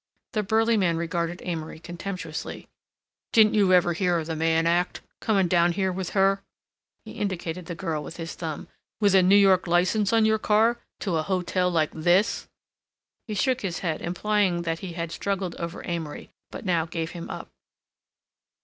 The burly man regarded Amory contemptuously. "Didn't you ever hear of the Mann Act? Coming down here with her," he indicated the girl with his thumb, "with a New York license on your car—to a hotel like this." He shook his head implying that he had struggled over Amory but now gave him up.